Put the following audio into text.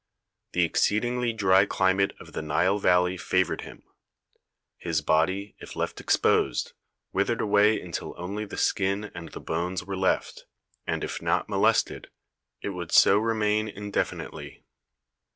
The ex ceedingly dry climate of the Nile Valley favoured him. His body, if left exposed, withered away until only the skin and the bones were left, and, if not molested, it would so remain indefinitely.